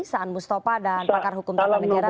saan mustafa dan pakar hukum tata negara